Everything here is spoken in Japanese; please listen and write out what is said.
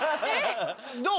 どう？